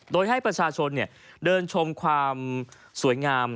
โดยให้ประชาชนเดินชมความสวยงาม